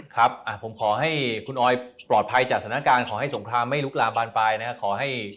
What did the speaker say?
ครับผมขอให้คุณออยปลอดภัยจากสถานการณ์ขอให้สงครามไม่ลุกลามบานปลายนะครับ